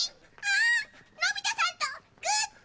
のび太さんとグッチ！